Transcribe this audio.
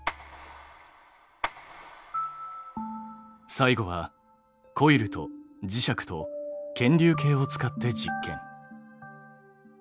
最後はコイルと磁石と検流計を使って実験。